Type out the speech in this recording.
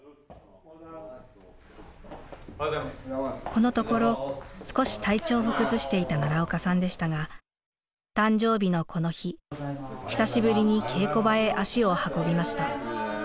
このところ少し体調を崩していた奈良岡さんでしたが誕生日のこの日久しぶりに稽古場へ足を運びました。